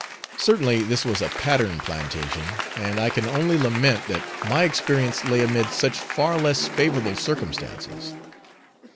Certainly this was a pattern plantation, and I can only lament that my experience lay amid such far less favourable circumstances.